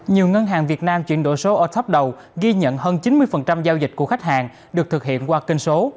nhiều ngân hàng việt nam chuyển đổi số ở top đầu ghi nhận hơn chín mươi giao dịch của khách hàng được thực hiện qua kênh số